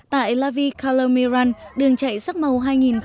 tại la vie color miran đường chạy sắc màu hai nghìn một mươi bảy